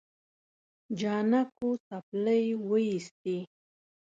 جانکو څپلۍ وېستې.